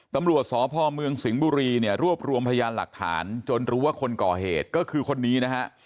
ตำรวจสพเมืองสิงห์บุรีเนี่ยรวบรวมพยานหลักฐานจนรู้ว่าคนก่อเหตุก็คือคนนี้นะฮะ